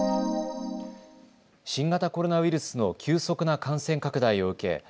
新型コロナウイルスの急速な感染拡大を受け